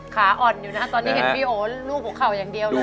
ขาอ่อนอยู่นะตอนนี้เห็นพี่โอรูปหัวเข่าอย่างเดียวเลย